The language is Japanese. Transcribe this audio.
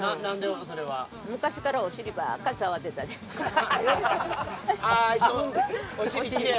昔からお尻ばっかり触ってたんで。